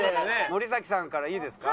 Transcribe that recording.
森咲さんからいいですか？